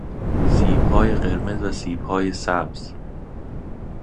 سیب های قرمز و سیب های سبز